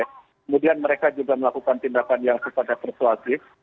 kemudian mereka juga melakukan tindakan yang supada persuasif